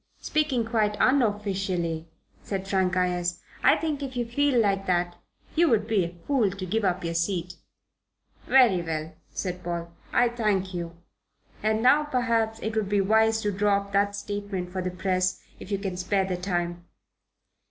"Speaking quite unofficially," said Frank Ayres, "I think, if you feel like that, you would be a fool to give up your seat." "Very well," said Paul, "I thank you. And now, perhaps, it would be wise to draw up that statement for the press, if you can spare the time."